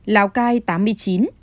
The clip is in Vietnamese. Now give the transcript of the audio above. lào cai tám mươi chín